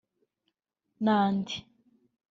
n’andi